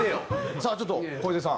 さあちょっと小出さん。